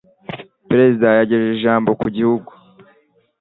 Perezida yagejeje ijambo ku gihugu.